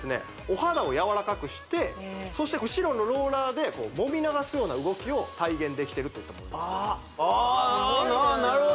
お肌をやわらかくしてそして後ろのローラーでこうもみ流すような動きを体現できてるとそうです